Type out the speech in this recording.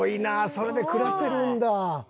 それで暮らせるんだ。